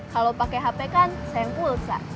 kalau pakai hp kan saya pulsa